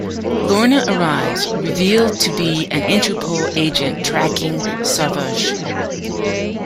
Lorna arrives, revealed to be an Interpol agent tracking Sauvage.